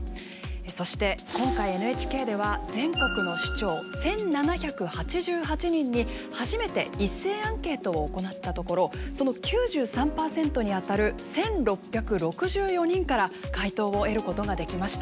そして今回ＮＨＫでは全国の首長１，７８８人に初めて一斉アンケートを行ったところその９３％にあたる１，６６４人から回答を得ることができました。